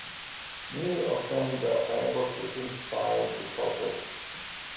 Neither of them were able to identify the culprit.